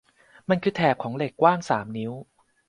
มันคือแถบของเหล็กกว้างสามนิ้ว